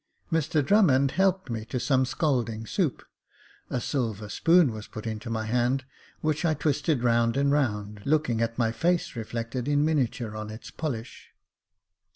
Mr Drummond helped me to some scalding soup, a silver spoon was put into my Jacob Faithful 19 hand, which I twisted round and round, looking at my face reflected in miniature on its polish.